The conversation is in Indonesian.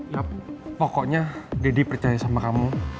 nap pokoknya deddy percaya sama kamu